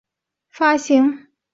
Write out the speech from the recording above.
由伊拉克中央银行发行。